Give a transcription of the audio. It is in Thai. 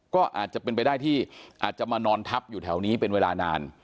ก็อาจจะเป็นไปได้ที่อาจจะมานอนทับอยู่แถวนี้เป็นเวลานาน